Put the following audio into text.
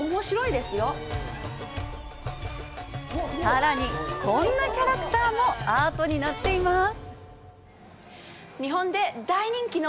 さらに、こんなキャラクターもアートになっています！